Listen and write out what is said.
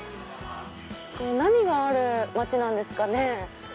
何がある街なんですかね。